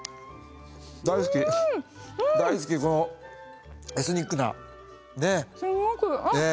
大好きこのエスニックなねえ。